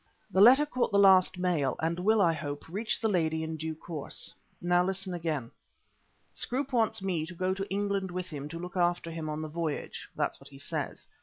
The letter caught the last mail and will, I hope, reach the lady in due course. Now listen again. Scroope wants me to go to England with him to look after him on the voyage that's what he says.